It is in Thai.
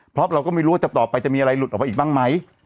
เพราะเราก็ไม่รู้ว่าจะต่อไปจะมีอะไรหลุดออกมาอีกบ้างไหม